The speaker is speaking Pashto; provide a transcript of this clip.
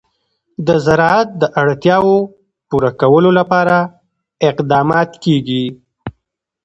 د زراعت د اړتیاوو پوره کولو لپاره اقدامات کېږي.